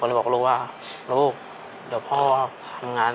พี่ก็ต้องเป็นภาระของน้องของแม่อีกอย่างหนึ่ง